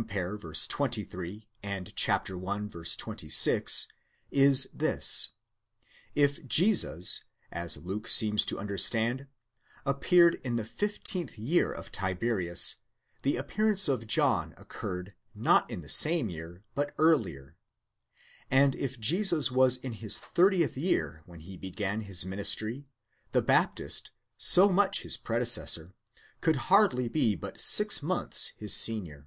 23 and i. 26, is this: if Jesus, as Luke seems to understand, appeared in the fifteenth year of Tiberius, the appearance of John occurred, not in the same year, but earlier; and if Jesus was in his thirtieth year when he began his ministry, the Baptist, so much his predecessor, could hardly be but six months his senior.